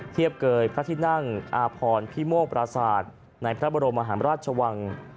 เทียบเกยพระที่นั่งอาพรพิโมกปราศาสตร์ในพระบรมหาราชวัง